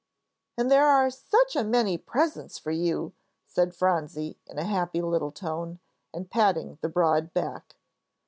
"And there are such a many presents for you," said Phronsie, in a happy little tone, and patting the broad back.